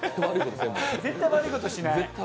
絶対悪いことしない。